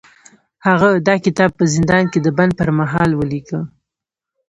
هغه دا کتاب په زندان کې د بند پر مهال ولیکه